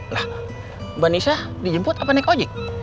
nah mbak nisa dijemput apa naik ojek